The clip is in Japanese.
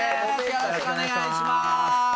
よろしくお願いします！